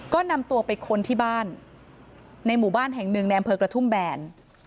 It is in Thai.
ก็นำตัวไปค้นที่บ้านในหมู่บ้านแห่ง๑ในบริษัทกระทุ่มแบล